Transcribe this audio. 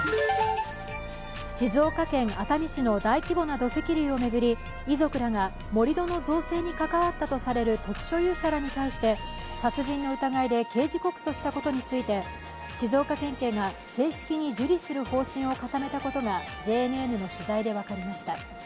静岡県熱海市の大規模な土石流を巡り、遺族らが盛り土の造成に関わったとされる土地所有者らに対して殺人の疑いで刑事告訴したことについて静岡県警が正式に受理する方針を固めたことがＪＮＮの取材で分かりました。